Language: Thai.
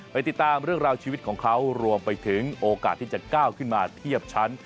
ติดตามเรื่องราวชีวิตของเขารวมไปถึงโอกาสที่จะก้าวขึ้นมาเทียบชั้น